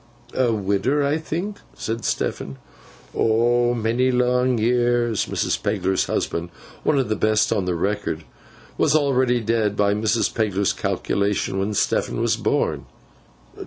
'A widder, I think?' said Stephen. 'Oh, many long years!' Mrs. Pegler's husband (one of the best on record) was already dead, by Mrs. Pegler's calculation, when Stephen was born.